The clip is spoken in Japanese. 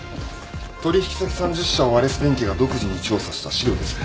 取引先３０社をアレス電機が独自に調査した資料です。